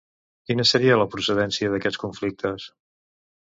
Quina seria la procedència d'aquests conflictes?